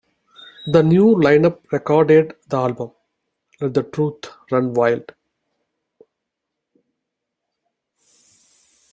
The new line-up recorded the album ...let the Truth Run Wild!